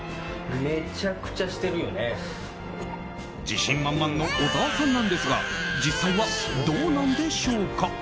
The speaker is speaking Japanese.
自信満々の小澤さんなんですが実際はどうなんでしょうか？